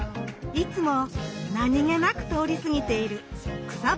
いつも何気なく通り過ぎている草花や木々。